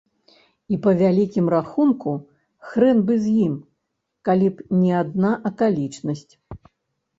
І, па вялікім рахунку, хрэн бы з ім, калі б не адна акалічнасць.